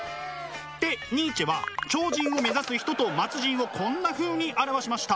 でニーチェは超人を目指す人と末人をこんなふうに表しました。